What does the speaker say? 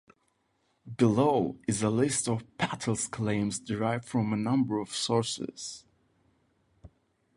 Below is a list of Pattle's claims derived from a number of sources.